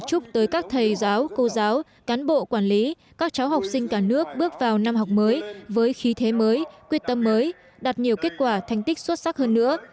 chúc tới các thầy giáo cô giáo cán bộ quản lý các cháu học sinh cả nước bước vào năm học mới với khí thế mới quyết tâm mới đạt nhiều kết quả thành tích xuất sắc hơn nữa